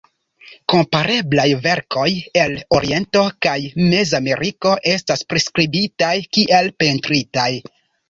Kompareblaj verkoj el Oriento kaj Mezameriko estas priskribitaj kiel pentritaj.